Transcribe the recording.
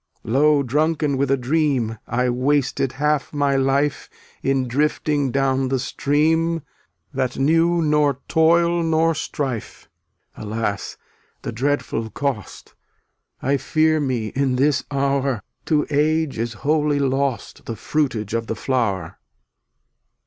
303 Lo! drunken with a dream I wasted half my life In drifting down the stream That knew nor toil nor strife. Alas! the dreadful cost; I fear me in this hour, To Age is wholly lost The fruitage of the flower.